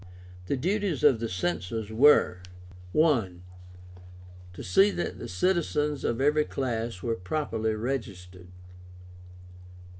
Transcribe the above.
The duties of the Censors were: I. To see that the citizens of every class were properly registered.